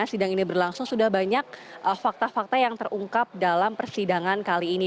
sidang ini berlangsung sudah banyak fakta fakta yang terungkap dalam persidangan kali ini